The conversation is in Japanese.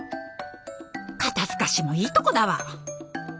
肩透かしもいいとこだわ！